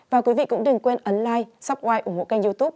và quý vị cũng đừng quên ấn like subscribe ủng hộ kênh youtube